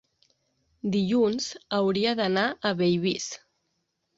dilluns hauria d'anar a Bellvís.